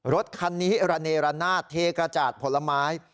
รถคันนี้ระเนรนาศเทกระจาดผลไม้